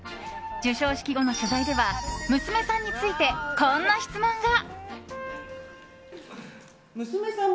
授賞式後の取材では娘さんについてこんな質問が。